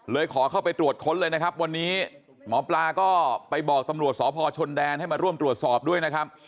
ขอเข้าไปตรวจค้นเลยนะครับวันนี้หมอปลาก็ไปบอกตำรวจสพชนแดนให้มาร่วมตรวจสอบด้วยนะครับ